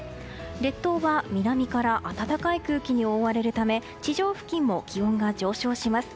列島は南から暖かい空気に覆われるた地上付近は気温が上昇します。